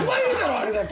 あれだけ。